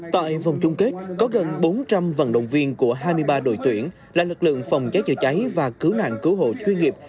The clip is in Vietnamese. tại vòng chung kết có gần bốn trăm linh vận động viên của hai mươi ba đội tuyển là lực lượng phòng cháy chữa cháy và cứu nạn cứu hộ chuyên nghiệp